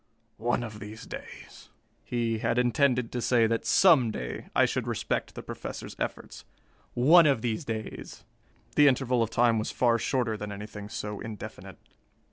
One of these days...." He had intended to say that some day I should respect the Professor's efforts. One of these days! The interval of time was far shorter than anything so indefinite.